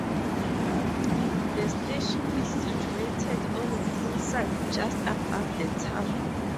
The station is situated on the hillside just above the town.